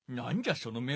その目は。